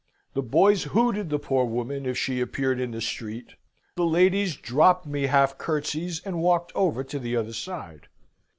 The boys hooted the poor woman if she appeared in the street; the ladies dropped me half curtseys, and walked over to the other side.